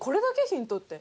ヒントって。